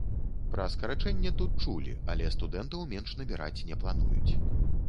Пра скарачэнне тут чулі, але студэнтаў менш набіраць не плануюць.